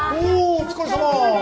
お疲れさまです。